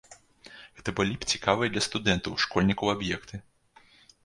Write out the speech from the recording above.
Гэта былі б цікавыя для студэнтаў, школьнікаў аб'екты.